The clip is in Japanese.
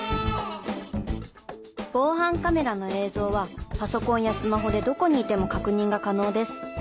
防犯カメラの映像はパソコンやスマホでどこにいても確認が可能です。